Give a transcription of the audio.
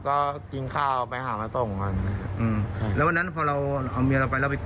ก็ไม่มีอะไรใช่ไหม